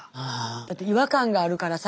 だって違和感があるからさ。